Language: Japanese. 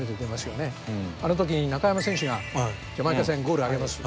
あの時に中山選手がジャマイカ戦ゴールあげます。